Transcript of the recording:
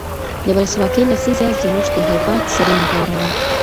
د ولسواکۍ لسیزه زموږ د هېواد زرینه دوره وه.